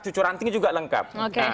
cucu ranting juga lengkap